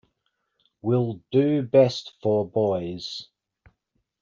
Will do best for boys.